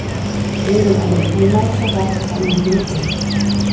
Neben einem Schulmeister gab es auch einen Hirten.